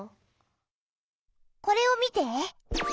これを見て。